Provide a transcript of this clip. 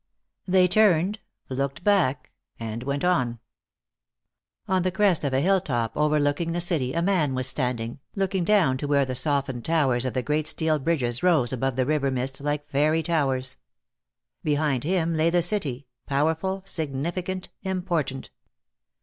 They turned, looked back, and went on. On the crest of a hill top overlooking the city a man was standing, looking down to where the softened towers of the great steel bridges rose above the river mist like fairy towers. Below him lay the city, powerful, significant, important.